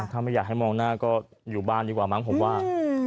ถ้าไม่อยากให้มองหน้าก็อยู่บ้านดีกว่ามั้งผมว่า